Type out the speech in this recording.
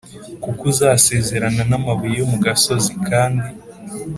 Kuko uzasezerana n’amabuye yo mu gasozi, Kandi